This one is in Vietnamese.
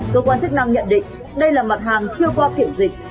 cơ quan chức năng nhận định đây là mặt hàng chưa qua kiểm dịch